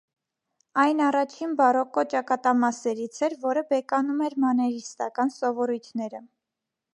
Այն առաջին բարոկկո ճակատամասերից էր, որը բեկանում էր մաներիստական սովորույթները։